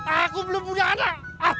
aku belum punya anak